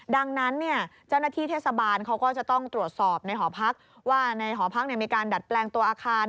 ดังนั้นเจ้าหน้าที่เทศบาลเขาก็จะต้องตรวจสอบในหอพักว่าในหอพักมีการดัดแปลงตัวอาคาร